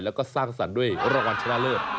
แล้วก็สร้างสรรค์ด้วยรางวัลชนะเลิศ